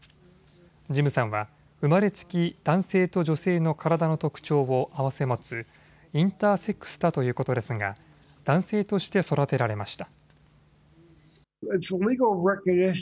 ジムさんは生まれつき男性と女性の体の特徴を併せ持つインターセックスだということですが男性として育てられました。